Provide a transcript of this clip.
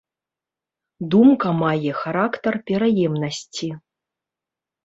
Думка мае характар пераемнасці.